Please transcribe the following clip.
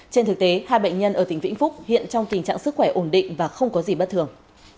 trên thực tế hai bệnh nhân ở tỉnh vĩnh phúc hiện trong tình trạng sức khỏe ổn định và không có gì bất thường